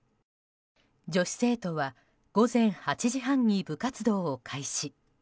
女子生徒は午前８時半に部活動を開始。